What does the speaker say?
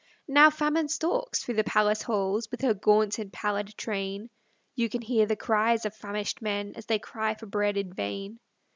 Now Famine stalks through the palace halls, With her gaunt and pallid train; You can hear the cries of famished men, As they cry for bread in vain.